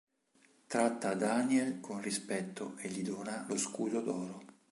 Tratta Daniel con rispetto e gli dona lo "Scudo d'oro".